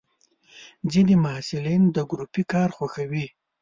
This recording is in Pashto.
ځینې محصلین د ګروپي کار خوښوي.